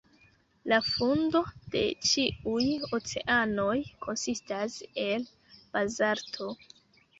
La fundo de ĉiuj oceanoj konsistas el bazalto.